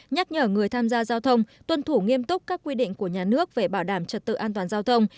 nhắc nhở người tham gia giao thông tuân thủ nghiêm túc các quy định của nhà nước về bảo đảm trật tự an toàn giao thông